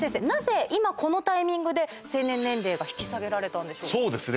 なぜ今このタイミングで成年年齢が引き下げられたんでしょう？